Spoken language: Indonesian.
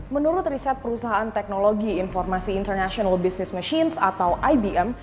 menurut riset perusahaan teknologi informasi international business machines atau ibm